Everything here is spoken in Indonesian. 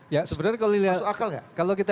ya sebenarnya kalau kita